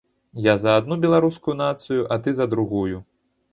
Я за адну беларускую нацыю, а ты за другую.